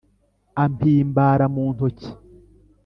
Ampimbara mu ntoki